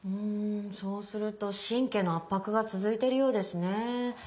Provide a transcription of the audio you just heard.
そうすると神経の圧迫が続いているようですね。